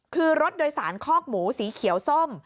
คือรถโดยสารคอกหมูสีเขียวส้ม